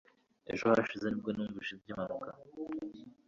ejo hashize nibwo numvise iby'impanuka